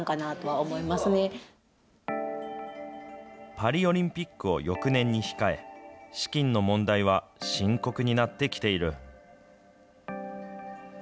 パリオリンピックを翌年に控え、資金の問題は深刻になってきている。